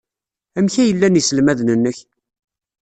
Amek ay llan yiselmaden-nnek?